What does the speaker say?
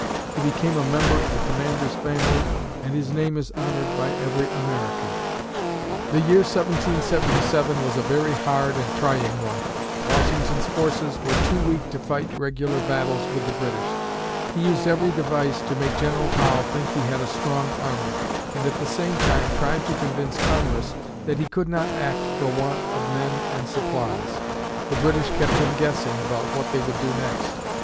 He became a member of the Commander's family and his name is honored by every American. The year 1777 was a very hard and trying one. Washington's forces were too weak to fight regular battles with the British. He used every device to make General Howe think he had a strong army, and at the same time, tried to convince Congress that he could not act for want of men and supplies. The British kept him guessing about what they would do next.